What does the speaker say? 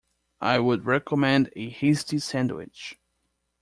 I would recommend a hasty sandwich.